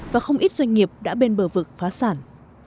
và không ít doanh nghiệp đã bên bờ vực phá sản